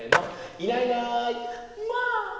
「いないいないまあ！」。